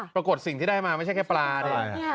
ปรากฏสิ่งที่ได้มาไม่ใช่แค่ปลาดิ